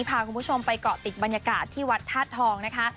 พาคุณผู้ชมไปเกาะติดบรรยากาศที่วัดธาตุทองนะคะ